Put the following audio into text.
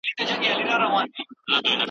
په پلي تګ کې د چا وخت نه بایلل کېږي.